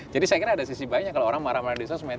jadi saya kira ada sisi baiknya kalau orang marah marah di sosmed